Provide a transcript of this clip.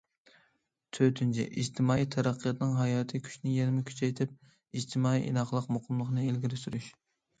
تۆتىنچى، ئىجتىمائىي تەرەققىياتنىڭ ھاياتىي كۈچىنى يەنىمۇ كۈچەيتىپ، ئىجتىمائىي ئىناقلىق، مۇقىملىقنى ئىلگىرى سۈرۈش.